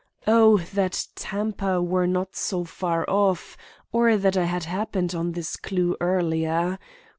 Oh, that Tampa were not so far off or that I had happened on this clue earlier!